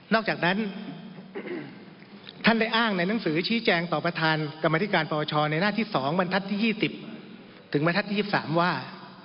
อกจากนั้นท่านได้อ้างในหนังสือชี้แจงต่อประธานกรรมธิการปปชในหน้าที่๒บรรทัศน์ที่๒๐ถึงบรรทัศนที่๒๓ว่า